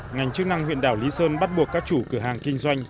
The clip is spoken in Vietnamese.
ngành chức năng huyện đảo lý sơn bắt buộc các chủ cửa hàng kinh doanh